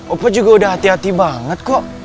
opa juga udah hati hati banget kok